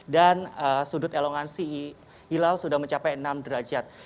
dan sudut elongansi hilal sudah mencapai enam derajat